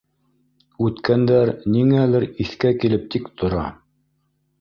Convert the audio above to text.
Үткәндәр ниңәлер иҫкә килеп тик тора.